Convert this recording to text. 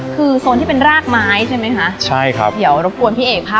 คือโซนที่เป็นรากไม้ใช่ไหมคะใช่ครับเดี๋ยวรบกวนพี่เอกค่ะ